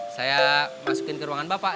saya masukin ke ruangan bapak